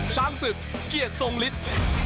ช้างศึกเกียรติทรงฤทธิ์